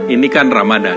ini kan ramadan